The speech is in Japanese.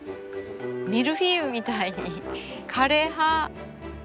ミルフィーユみたいに枯れ葉ぬか